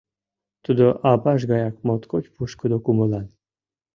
Тудо аваж гаяк моткоч пушкыдо кумылан.